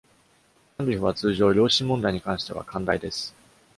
カンリフは通常、良心問題に関しては寛大です。